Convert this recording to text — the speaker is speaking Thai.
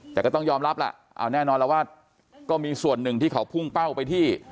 แต่ก็ต้องยอมรับล่ะเอาแน่นอนแล้วว่าก็มีส่วนหนึ่งที่เขาพุ่งเป้าไปที่